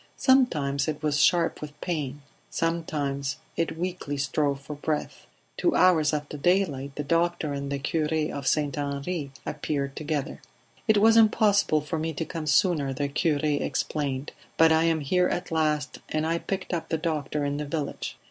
Sometimes it was sharp with pain; sometimes it weakly strove for breath. Two hours after daylight the doctor and the cure of St. Henri appeared together. "It was impossible for me to come sooner," the cure explained, "but I am here at last, and I picked up the doctor in the village."